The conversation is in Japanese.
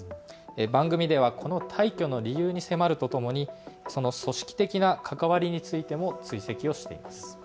番組ではこの退去の理由に迫るとともにその組織的な関わりについても追跡をしています。